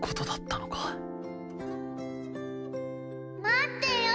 待ってよ。